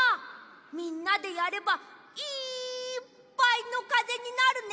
みんなでやればいっぱいのかぜになるね。